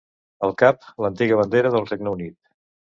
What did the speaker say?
Al cap, l'antiga bandera del Regne Unit.